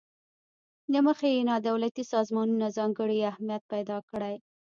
له مخې یې نا دولتي سازمانونو ځانګړی اهمیت پیداکړی.